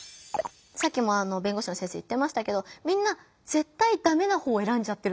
さっきも弁護士の先生言ってましたけどみんなぜったいダメな方選んじゃってるんだよねって。